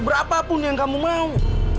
berapapun yang kamu mau